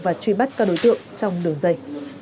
và truy bắt các đối tượng trong đường dây